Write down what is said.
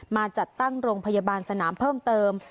มาจัดตั้งโรงพยาบาลสนามเพิ่มเติม